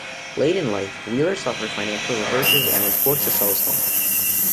Late in life, Wheeler suffered financial reverses and was forced to sell his home.